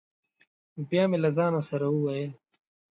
بیا مې له ځانه سره وویل: